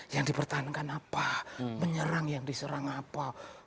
yang dipertahankan apa menyerang yang diserang apa